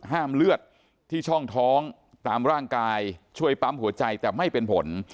ห้ามเลือดที่ช่องท้องตามร่างกายช่วยปั๊มหัวใจแต่ไม่เป็นผล